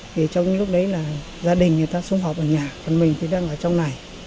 thì trong lúc đấy là gia đình người ta xung họp ở nhà còn mình thì đang ở trong này